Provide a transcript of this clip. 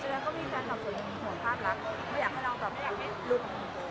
จริงก็มีแฟนคลับส่วนห่วงภาพรักไม่อยากให้เราแบบลุก